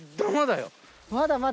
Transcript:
まだまだ？